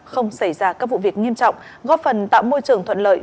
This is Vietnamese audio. không xảy ra các vụ việc nghiêm trọng góp phần tạo môi trường thuận lợi